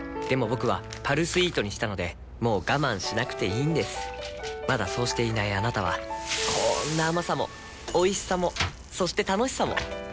僕は「パルスイート」にしたのでもう我慢しなくていいんですまだそうしていないあなたはこんな甘さもおいしさもそして楽しさもあちっ。